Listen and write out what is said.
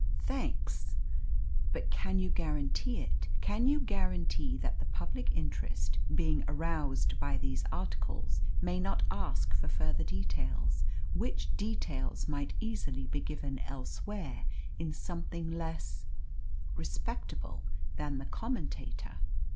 "Thanks; but can you guarantee it? Can you guarantee that the public interest, being aroused by these articles, may not ask for further details, which details might easily be given elsewhere, in something less respectable than the Commentator?"